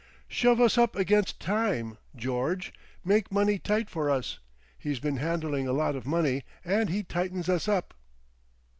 "Shove us up against time, George; make money tight for us. We been handling a lot of money—and he tightens us up."